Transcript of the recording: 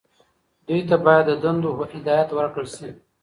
دوی ته باید د دندو هدایت ورکړل شي.